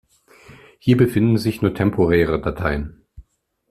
Hier befinden sich nur temporäre Dateien.